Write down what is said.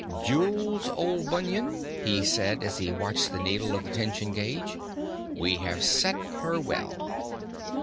"Jules, old bunion," he said as he watched the needle of the tension gauge, "we have set her well."